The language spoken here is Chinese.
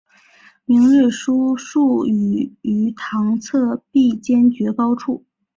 明日书数语于堂侧壁间绝高处。